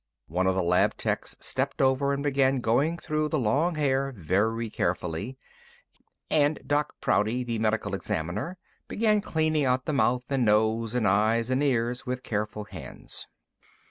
One of the lab techs stepped over and began going through the long hair very carefully, and Doc Prouty, the Medical Examiner, began cleaning out the mouth and nose and eyes and ears with careful hands.